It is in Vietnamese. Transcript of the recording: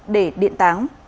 để điện tán